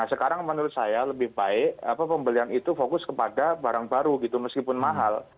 nah sekarang menurut saya lebih baik pembelian itu fokus kepada barang baru gitu meskipun mahal